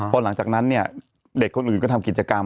พอหลังจากนั้นเนี่ยเด็กคนอื่นก็ทำกิจกรรม